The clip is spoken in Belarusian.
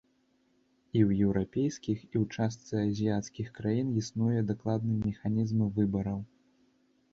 І ў еўрапейскіх, і ў частцы азіяцкіх краін існуе дакладны механізм выбараў.